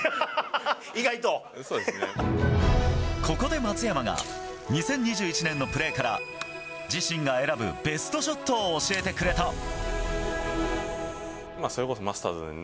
ここで松山が２０２１年のプレーから自身が選ぶベストショットを教えてくれた。